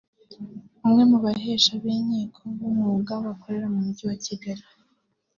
umwe mu bahesha b’inkiko b’umwuga bakorera mu Mujyi wa Kigali